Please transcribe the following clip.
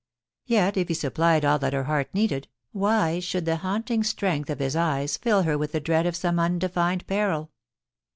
Yet if he supplied all that her heart needed, why should the haunting strength of his eyes fill her with the dread of some undefined peril